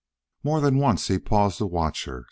More than once he paused to watch her.